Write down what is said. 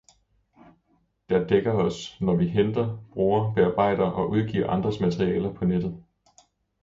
der dækker os, når vi henter, bruger, bearbejder og udgiver andres materialer på nettet.